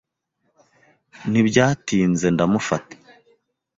Ntibyatinze ndamufata.